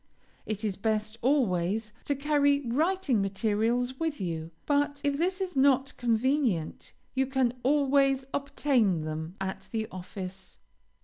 It is best always to carry writing materials with you, but if this is not convenient, you can always obtain them at the office.